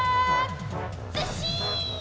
ずっしん！